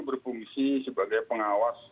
berfungsi sebagai pengawas